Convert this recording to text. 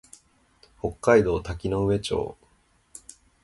北海道滝上町